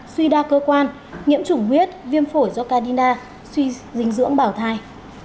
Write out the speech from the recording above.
suy đa cơ quan nghiệm chủng huyết viêm phổi do cardina suy dinh dưỡng bảo thai